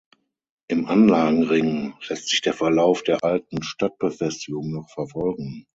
Im Anlagenring lässt sich der Verlauf der alten Stadtbefestigung noch verfolgen.